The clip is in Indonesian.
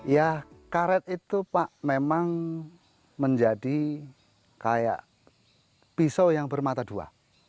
ya karet itu pak memang menjadi kayak pisau yang bermata dua